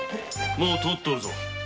もう通っておるぞ。